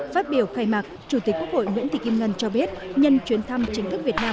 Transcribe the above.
phát biểu khai mạc chủ tịch quốc hội nguyễn thị kim ngân cho biết nhân chuyến thăm chính thức việt nam